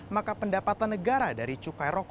maka pendapatan negara dari cukai tembakau ini